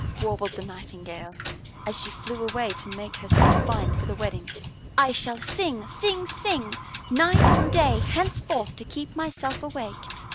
warbled the Nightingale, as she flew away to make herself fine for the wedding. "I shall sing, sing, sing night and day henceforth to keep myself awake.